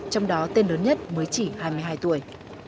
trong đó tên lớn nhất mới chỉ hai mươi hai tuổi